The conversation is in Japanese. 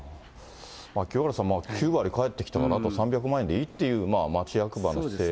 清原さん、９割返ってきたから、あと３００万円でいいっていう町役場の姿勢。